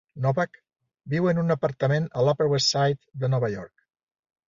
Novak viu en un apartament a l'Upper West Side de Nova York.